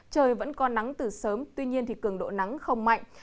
trời vẫn có nắng từ sớm tuy nhiên cường độ nắng không mạnh